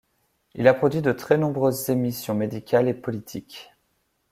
Il a produit de très nombreuses émissions médicales et politiques.